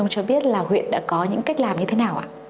cách làm như thế nào ạ